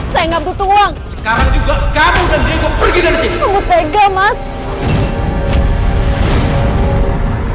sekarang juga kamu dan dia gue pergi dari sini